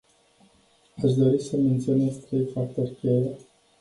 Aș dori să menționez trei factori cheie.